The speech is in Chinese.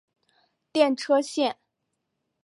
电车线。